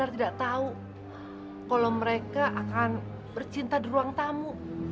tidak tahu kalau mereka akan bercinta di ruang tamu